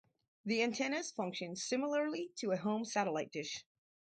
The antennas function similarly to a home satellite dish.